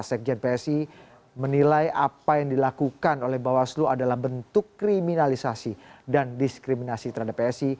sekjen psi menilai apa yang dilakukan oleh bawaslu adalah bentuk kriminalisasi dan diskriminasi terhadap psi